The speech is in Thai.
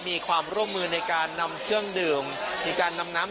มีความร่วมมือในการนำเครื่องดื่มมีการนำน้ำ